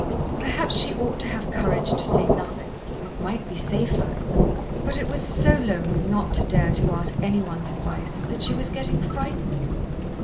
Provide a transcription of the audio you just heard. Perhaps she ought to have courage to say nothing. It might be safer. But it was so lonely not to dare to ask anyone's advice, that she was getting frightened.